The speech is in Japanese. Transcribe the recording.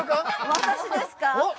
私ですか？